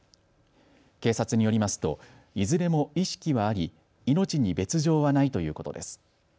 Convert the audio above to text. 警察によりますといずれも意識はあり命に別状はないということです。